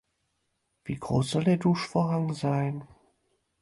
Wie groß soll der Duschvorhang sein?